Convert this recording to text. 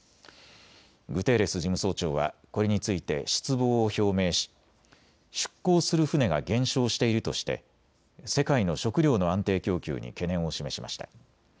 グテーレス事務総長はこれについて失望を表明し出港する船が減少しているとして世界の食料の安定供給に懸念を示しました。